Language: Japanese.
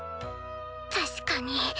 確かに。